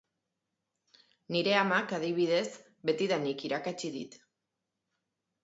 Nire amak, adibidez, betidanik irakatsi dit.